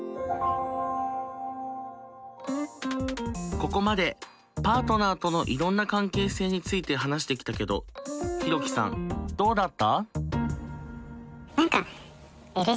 ここまでパートナーとのいろんな関係性について話してきたけどヒロキさんどうだった？